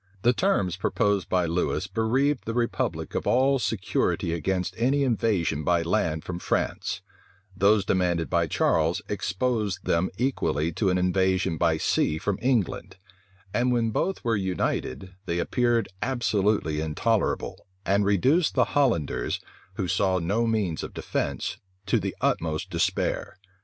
The terms proposed by Lewis bereaved the republic of all security against any invasion by land from France: those demanded by Charles exposed them equally to an invasion by sea from England; and when both were united, they appeared absolutely intolerable, and reduced the Hollanders, who saw no means of defence, to the utmost despair.